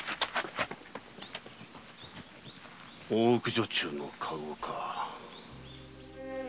「大奥女中の駕籠」か。